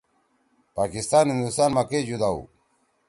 ۔ پاکستان ہندوستان ما کئی جُدا ہو؟